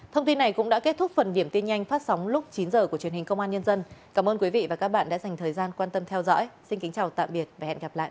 thông tin này cũng đã kết thúc phần điểm tin nhanh phát sóng lúc chín h của truyền hình công an nhân dân cảm ơn quý vị và các bạn đã dành thời gian quan tâm theo dõi xin kính chào tạm biệt và hẹn gặp lại